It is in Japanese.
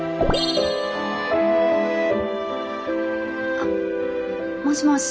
あっもしもし